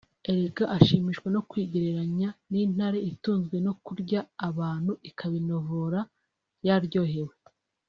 Erega ashimishwa no kwigereranya n’intare itunzwe no kurya abantu ikabinovora yaryohewe